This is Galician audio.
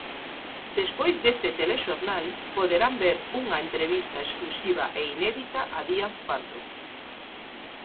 Despois deste telexornal, poderán ver unha entrevista exclusiva e inédita a Díaz Pardo.